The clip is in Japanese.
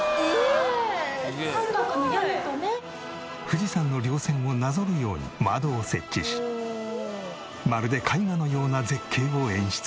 富士山の稜線をなぞるように窓を設置しまるで絵画のような絶景を演出。